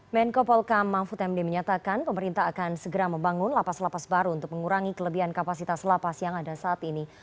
menko polkam mahfud md menyatakan pemerintah akan segera membangun lapas lapas baru untuk mengurangi kelebihan kapasitas lapas yang ada saat ini